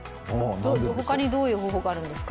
他にどういう方法があるんですか？